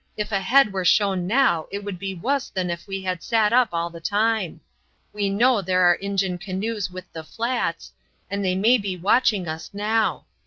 Ef a head were shown now it would be wuss than ef we had sat up all the time. We know there are Injun canoes with the flats, and they may be watching us now.